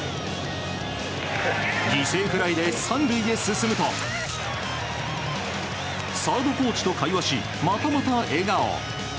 犠牲フライで３塁へ進むとサードコーチと会話しまたまた笑顔。